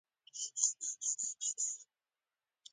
لمر را وخوت.